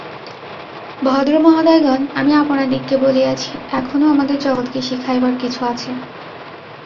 ভদ্রমহোদয়গণ, আমি আপনাদিগকে বলিয়াছি, এখনও আমাদের জগৎকে শিখাইবার কিছু আছে।